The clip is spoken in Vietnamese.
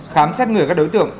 khám xét người các đối tượng